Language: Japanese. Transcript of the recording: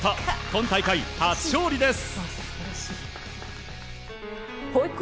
今大会初勝利です。